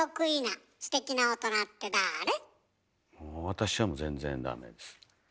私はもう全然ダメです。